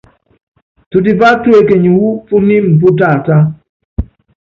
Tutipá tuekenyi wu punímɛ pú taatá.